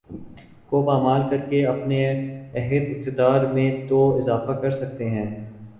کو پامال کرکے اپنے عہد اقتدار میں تو اضافہ کر سکتے ہیں